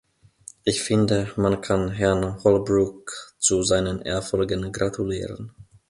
Ich finde, man kann Herrn Holbrooke zu seinen Erfolgen gratulieren.